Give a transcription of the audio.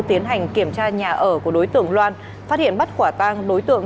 tiến hành kiểm tra nhà ở của đối tượng loan phát hiện bắt quả tang đối tượng